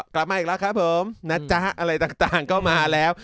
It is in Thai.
กลับมาอีกแล้วครับผมนะจ๊ะอะไรต่างก็มาแล้ว